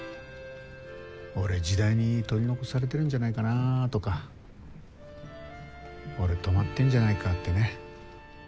俺時代に取り残されてるんじゃないかなとか俺止まってんじゃないかってね。